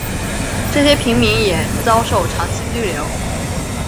这些平民也遭受长期拘留。